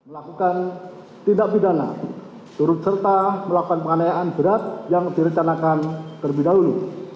melakukan tindak pidana turut serta melakukan penganayaan berat yang direncanakan terlebih dahulu